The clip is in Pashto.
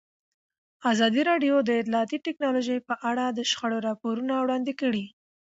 ازادي راډیو د اطلاعاتی تکنالوژي په اړه د شخړو راپورونه وړاندې کړي.